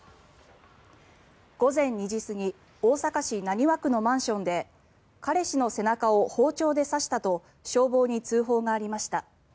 午前２時過ぎ大阪市浪速区のマンションで彼氏の背中を包丁で刺したと消防に通報がありました。